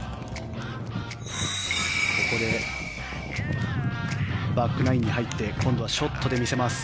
ここでバックナインに入って今度はショットで見せます。